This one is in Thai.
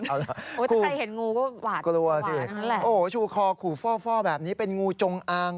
ถ้าใครเห็นงูก็หวาดนั้นแหละโอ้โฮชูคอคูฟ่อแบบนี้เป็นงูจงอาง